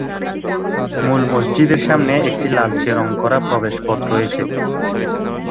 মূল মসজিদের সামনে একটি লালচে রং করা প্রবেশপথ রয়েছে।